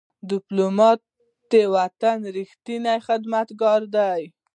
ډيپلومات د وطن ریښتینی خدمتګار دی.